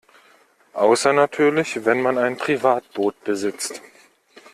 Außer natürlich wenn man ein Privatboot besitzt.